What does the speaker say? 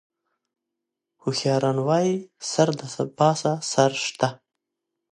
هوښیاران وایي: سر د پاسه سر شته.